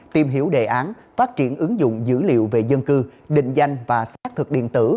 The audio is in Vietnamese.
tìm hiểu đề án phát triển ứng dụng dữ liệu về dân cư định danh và xác thực điện tử